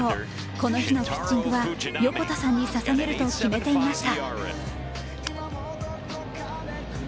この日のピッチングは横田さんに捧げると決めていました。